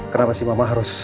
kenapa sih mama harus